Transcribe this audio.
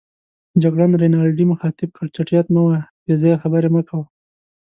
جګړن رینالډي مخاطب کړ: چټیات مه وایه، بې ځایه خبرې مه کوه.